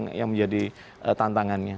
tentu ini yang menjadi tantangannya